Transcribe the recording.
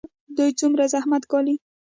دوی څومره زحمت ګالي؟